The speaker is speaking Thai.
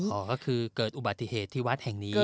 อ๋อก็คือเกิดอุบัติเหตุที่วัดแห่งนี้